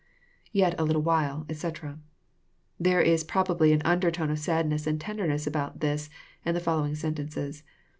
[ Yet a little while, etc, ] There is probably an under tone of sadness and tenderness about this and the following sentences.